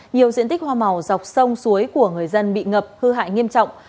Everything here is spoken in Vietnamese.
nhiều diện tích hoa màu dọc sông suối của người dân bị ngập hư hại nghiêm trọng